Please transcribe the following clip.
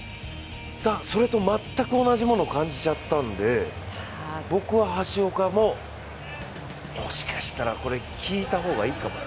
それと全く同じものを感じちゃったので、僕は橋岡ももしかしたら、聞いた方がいいかも。